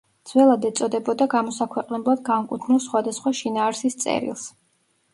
ძველად ეწოდებოდა გამოსაქვეყნებლად განკუთვნილ სხვადასხვა შინაარსის წერილს.